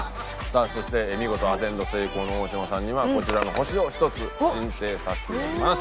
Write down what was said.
さあそして見事アテンド成功の大島さんにはこちらの星を１つ進呈させていただきます。